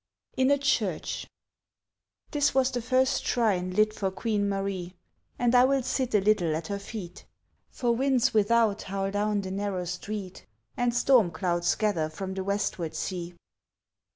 IN A CHURCH This was the first shrine lit for Queen Marie; And I will sit a little at her feet, For winds without howl down the narrow street And storm clouds gather from the westward sea.